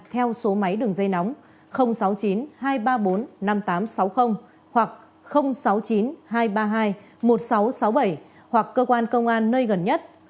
theo số máy đường dây nóng sáu mươi chín hai trăm ba mươi bốn năm nghìn tám trăm sáu mươi hoặc sáu mươi chín hai trăm ba mươi hai một nghìn sáu trăm sáu mươi bảy hoặc cơ quan công an nơi gần nhất